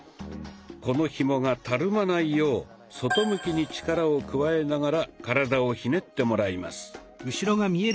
このひもがたるまないよう外向きに力を加えながら体をひねってもらいます。